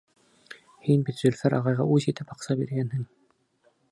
Һин бит Зөлфәр ағайға үс итеп аҡса биргәнһең!